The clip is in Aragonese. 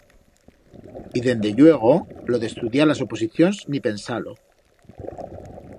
Y dende lluego lo d'estudiar las oposicions ni pensar-lo.